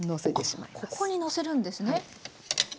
ここにのせるんですね？